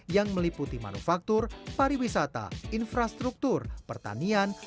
yang meliputi manufaktur pariwisata infrastruktur pertanian